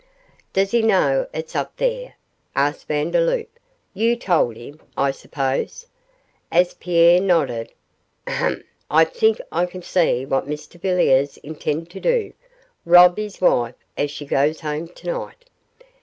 'Does he know it's up there?' asked Vandeloup; 'you told him, I suppose?' As Pierre nodded, 'Humph! I think I can see what Mr Villiers intends to do rob his wife as she goes home tonight.